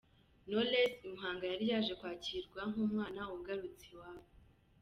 Knowless i Muhanga yari yaje kwakirwa nk'umwana ugarutse iwabo.